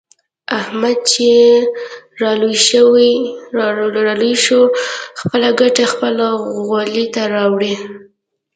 احمد چې را لوی شو. خپله ګټه خپل غولي ته راوړي.